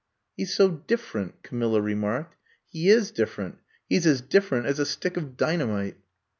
'^ He 's so different," Camilla remarked. He is different; he 's as different as a stick of dynamite.'